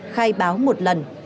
khai báo một lần